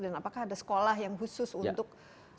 dan apakah ada sekolah yang khusus untuk mengajarkan